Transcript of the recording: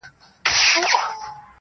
حکمتونه د لقمان دي ستا مرحم مرحم کتو کي-